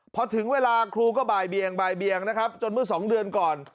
พอถึงเวลาครูก็บ่ายเบียงบ่ายเบียงนะครับจนเมื่อ๒เดือนก่อน